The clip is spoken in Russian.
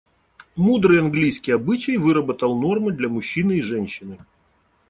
Мудрый английский обычай выработал нормы для мужчины и женщины.